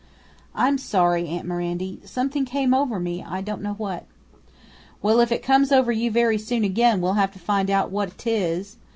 "I'm sorry, aunt Mirandy something came over me; I don't know what." "Well, if it comes over you very soon again we'll have to find out what 't is.